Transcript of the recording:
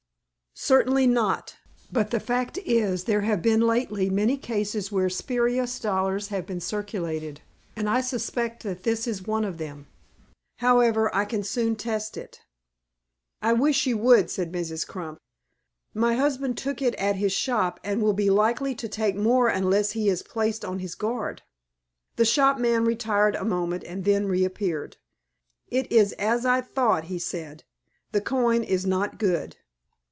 "Certainly not; but the fact is, there have been lately many cases where spurious dollars have been circulated, and I suspect this is one of them. However, I can soon test it." "I wish you, would," said Mrs. Crump. "My husband took it at his shop, and will be likely to take more unless he is placed on his guard." The shopman retired a moment, and then reappeared. "It is as I thought," he said. "The coin is not good."